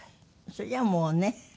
それじゃあもうね。